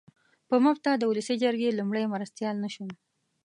په مفته د اولسي جرګې لومړی مرستیال نه شوم.